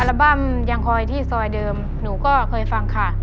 บั้มยังคอยที่ซอยเดิมหนูก็เคยฟังค่ะ